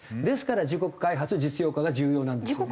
ですから自国開発実用化が重要なんです。